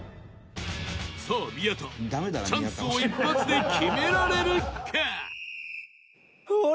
さあ、宮田、チャンスを一発で決められるか？